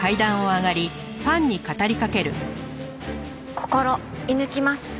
心射抜きます。